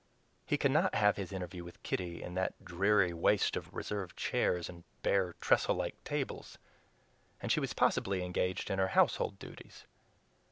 He could not have his interview with Kitty in that dreary waste of reversed chairs and bare trestlelike tables, and she was possibly engaged in her household duties.